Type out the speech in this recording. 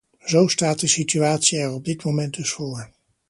Zo staat de situatie er op dit moment dus voor.